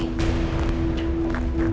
mama mau langsung tidur